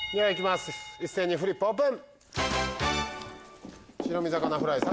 一斉にフリップオープン！